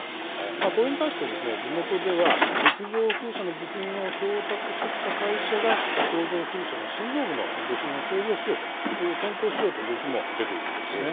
これに対して、地元では陸上風車の部品を調達してきた会社が、洋上風車の心臓部の部品を製造しよう、検討しようという動きも出ているんですね。